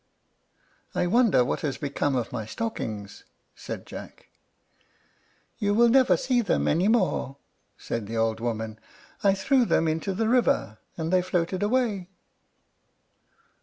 "I wonder what has become of my stockings," said Jack. "You will never see them any more," said the old woman. "I threw them into the river, and they floated away."